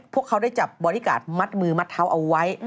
พวกเขาได้จับบอดี้การ์ดมัดมือมัดเท้าเอาไว้